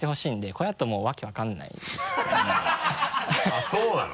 あぁそうなの？